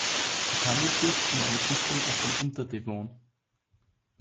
Es handelt sich um eine Schichtung aus dem Unterdevon.